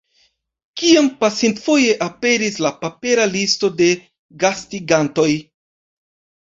Kiam pasintfoje aperis la papera listo de gastigantoj?